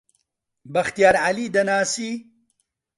بەختیار عەلی دەناسی؟